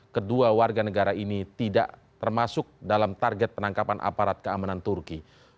kedua warga negara ini tidak termasuk dalam target penangkapan aparat keamanan turki